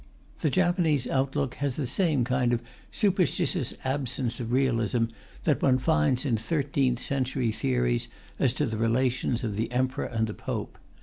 The Japanese outlook has the same kind of superstitious absence of realism that one finds in thirteenth century theories as to the relations of the Emperor and the Pope.